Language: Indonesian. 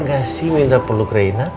oke yuk duduk duduk